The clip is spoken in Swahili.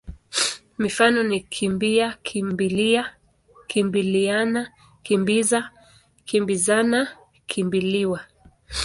Mifano ni kimbi-a, kimbi-lia, kimbili-ana, kimbi-za, kimbi-zana, kimbi-liwa.